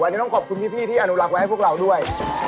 อันนี้ต้องขอบคุณพี่ที่อนุรักษ์ไว้ให้พวกเราด้วย